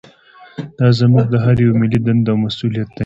دا زموږ د هر یوه ملي دنده او مسوولیت دی